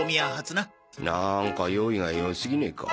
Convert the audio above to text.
なんか用意がよすぎねえか？